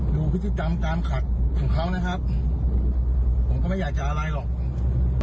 ดูพฤติกรรมการขัดของเขานะครับผมก็ไม่อยากจะอะไรหรอก